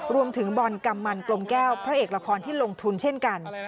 รวมถึงบอลกำมันกลมแก้วพระเอกละครที่ลงทุนเช่นกัน